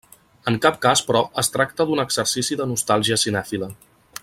En cap cas, però, es tracta d'un exercici de nostàlgia cinèfila.